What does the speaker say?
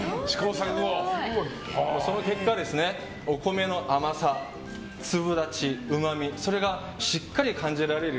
その結果、お米の甘さ粒立ち、うまみそれがしっかり感じられる